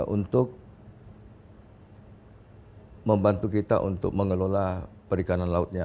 untuk membantu kita untuk mengelola perikanan lautnya